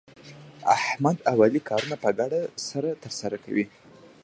احمد او علي کارونه په ګډه سره ترسره کوي.